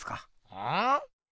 うん？